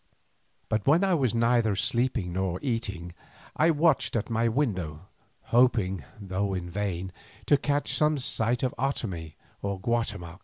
But when I was neither sleeping nor eating I watched at my window, hoping, though in vain, to catch some sight of Otomie or of Guatemoc.